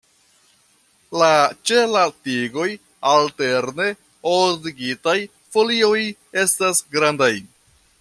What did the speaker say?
La ĉe la tigoj alterne ordigitaj folioj estas grandaj.